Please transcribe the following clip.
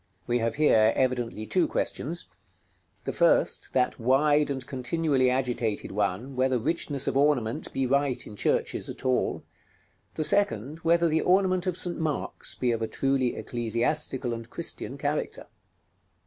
We have here evidently two questions: the first, that wide and continually agitated one, whether richness of ornament be right in churches at all; the second, whether the ornament of St. Mark's be of a truly ecclesiastical and Christian character.